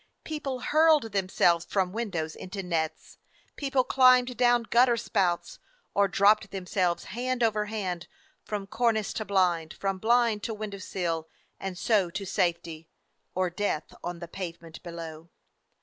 People hurled themselves from windows into nets; people climbed down gutter spouts, or dropped themselves hand over hand from cornice to blind, from blind to window sill, and so to safety — or death on the pavement below.